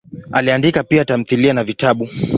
Aliandika pia tamthilia na vitabu.